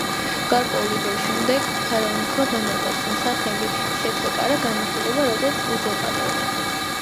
გარკვეული დროის გასვლის შემდეგ ფარაონის ძმა განმარტავს რომ სახელი შეპსესკარა განიხილება როგორც უზურპატორი.